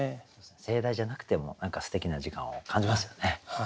盛大じゃなくても何かすてきな時間を感じますよね。